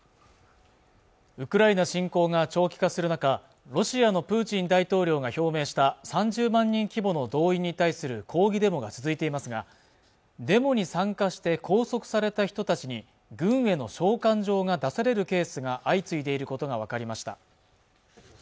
ウクライナ侵攻が長期化する中ロシアのプーチン大統領が表明した３０万人規模の動員に対する抗議デモが続いていますがデモに参加して拘束された人たちに軍への召喚状が出されるケースが相次いでいることが分かりました